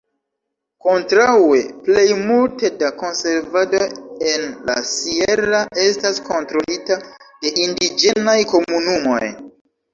Kontraŭe, plejmulte da konservado en la Sierra estas kontrolita de indiĝenaj komunumoj.